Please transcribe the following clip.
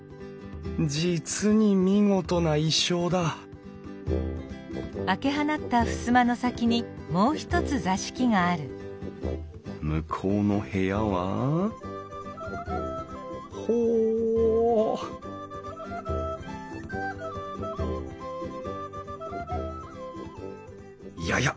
実に見事な意匠だ向こうの部屋はほうややっ！